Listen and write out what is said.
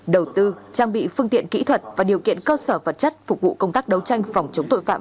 đầu tư trang bị phương tiện kỹ thuật và điều kiện cơ sở vật chất phục vụ công tác đấu tranh phòng chống tội phạm